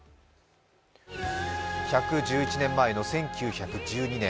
１１１年前の１９１２年。